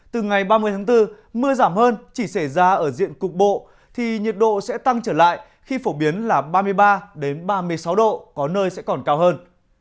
từ ngày ba mươi tháng bốn mưa giảm hơn chỉ xảy ra ở diện cục bộ thì nhiệt độ sẽ tăng trở lại khi phổ biến là ba mươi ba ba mươi sáu độ có nơi sẽ còn cao hơn